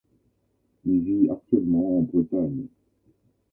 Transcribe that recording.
Il vit actuellement en Bretagne.